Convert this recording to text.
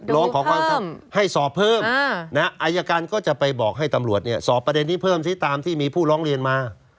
ร้องขอความให้สอบเพิ่มอายการก็จะไปบอกให้ตำรวจสอบประเด็นนี้เพิ่มซิตามที่มีผู้ร้องเรียนมา